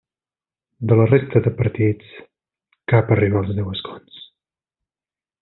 De la resta de partits, cap arribà als deu escons.